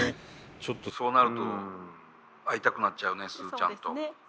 ちょっとそうなると会いたくなっちゃうねスズちゃんと。